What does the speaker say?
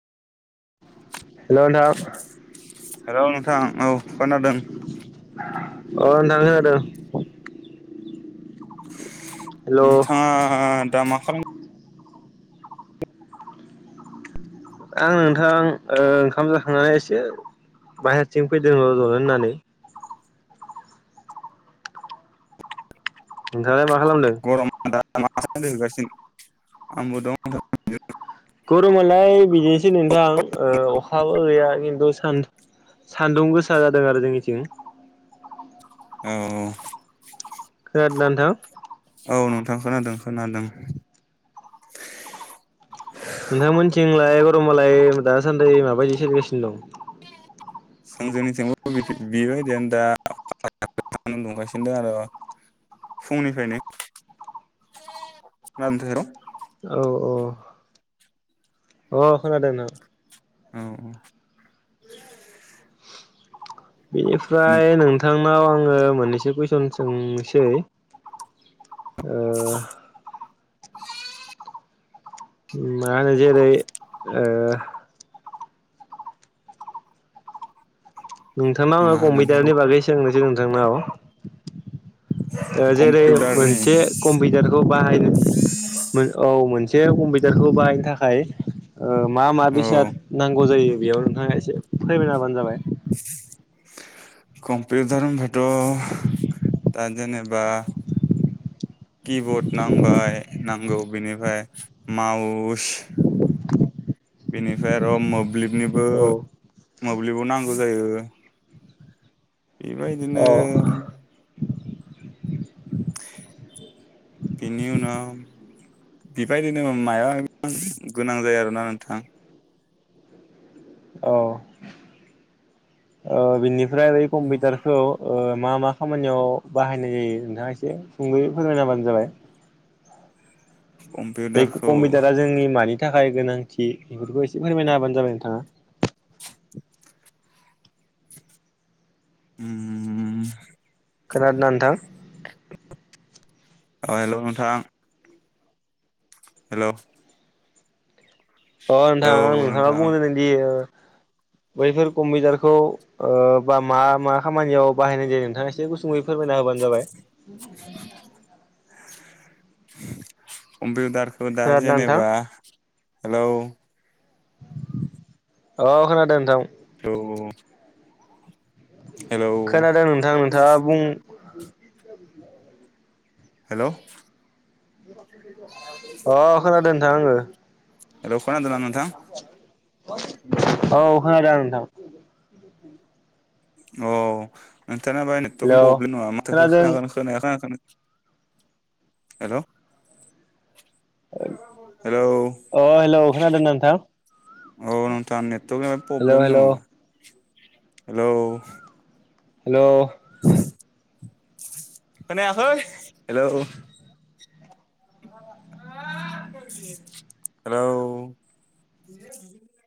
हेल' नोंथां। हेलौ नोंथां औ खोनादों। अ नोंथां खोनादों। हेल' नोंथाङा दा मा खालाम आं नोंथां ओंखाम जाखांनानै एसे बाहेरथिं फैदों र'जनो होननानै। नोंथालाय मा खालामदों? [inaudible] गरमालाय बिदिनोसै नोंथां अखाबो गैया खिन्थु सान सान्दुं गोसा जादों आरो जोंनिथिं। औ-औ। खोनादोना नोंथां? औ नोंथां खोनादों-खोनादों। नोंथांमोनथिंलाय गरमबालाय दासान्दि माबायदि सोलिगासिनो दं? ओंजोंनिथिं बेबायदियनो दा दंगासिनो दं आरो। फुंनिफ्रायनो माोनथ र'। औ-औ। अ खोनादों न औ-औ। बेनिफ्राय नोंथांनाव आङो मोननैसो कुइसन सोंनोसै। ओ मानो जेरै ओ नोंथांनाव मा आङो नोंथां कम्पिउटारनि बागै सोंनोसै नोंथांनाव। जेरै कम्पिउटारनि मोनसे कम्पिउटारखौ बाहायनो औ मोनसे जसे कम्पिउटारखौ बाहायनो थाखाय मा मा औ बेसाद नांगौ जायो? बेयाव नोंथाङा एसे फोरमायना होबानो जाबाय। [inaudible] कम्पिउटार होनबाथ' दा जेनेबा किबर्ड नांबाय नांगौ बेनिफ्राय माउस बेनिफ्राय आरो' मोब्लिबनिबो औ मोब्लिबाव नांगौ जायो औ बेबायदिनो बिनि उनाव बेबायदिनो माया गोनां जायो आरोना नोंथां। औ ओ बिनिफ्राय बै कम्पिउटारखौ ओ मा मा खामानियाव बाहायनाय जायो नोंथाङा एसे सुंदुयै फोरांनबानो जाबाय। बे कम्पिउटारखौ कम्पिउटारा जोंनि मानि थाखाय गोनांथि बेफोरखौ एसे फोरमायना हाबानो जाबाय नोंथाङा। उम खोनादोंना नोंथां। औ हेल' नोंथां। हेल'। अ नोंथां औ आं नथां नोंथां बुंङ दि [inaudible] बैफोर कम्पिउटारखौ बा मा मा खामानियाव बाहायनाय जायो नोंथाङा एसे गुसुङै फोरमायना होबानो जाबाय। कम्पिउटारखौ दा खोनादोंना नोंथां जेनेबा हेलौ अ खोनादों नथां। औ। हेलौ खोनादों नोंथां नोंथाङा बुं। हेल'। अ खोनादों नथां आङो। हेलौ औ खोनादोंना नोंथां खोनादों नोंथां। औ नोंथाङा बाय हेल' नेटवर्कनि प्रब्लेम नङा माथो खोनादों खोन खोनाया खोन हेल'। अ हेल' खोनादोंना नोंथां? औ नोंथाङा नेटवर्कनिफ्राय हेल' प्रब्लेम हेल' नङा हेलौ। हेल'। खोनायाखै हेल'। हेल'।